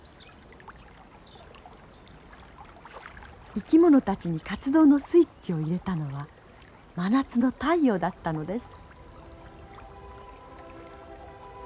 生き物たちに活動のスイッチを入れたのは真夏の太陽だったのです。